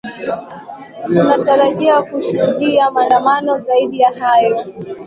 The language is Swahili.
tunatarajia kushuhudia maandamano zaidi ya hayo